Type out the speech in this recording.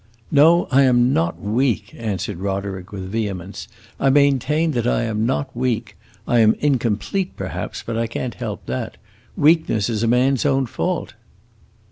"No, I am not weak," answered Roderick, with vehemence; "I maintain that I am not weak! I am incomplete, perhaps; but I can't help that. Weakness is a man's own fault!"